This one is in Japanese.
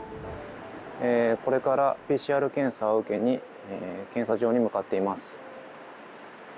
これからＰＣＲ検査を受けに検査場に向かっています。